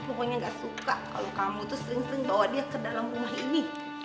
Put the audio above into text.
pokoknya gak suka kalau kamu tuh sering sering bawa dia ke dalam rumah ini